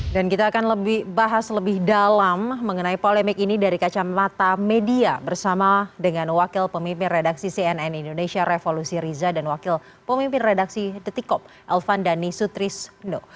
dan kita akan bahas lebih dalam mengenai polemik ini dari kacamata media bersama dengan wakil pemimpin redaksi cnn indonesia revolusi riza dan wakil pemimpin redaksi detikop elvan dhani sutrisno